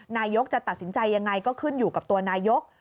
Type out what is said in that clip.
นายกจะตัดสินใจยังไงก็ขึ้นอยู่กับตัวนายก